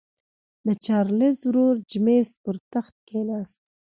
د چارلېز ورور جېمز پر تخت کېناست.